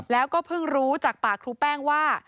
แล้วก็เพิ่งรู้จากปากครูแป้งว่า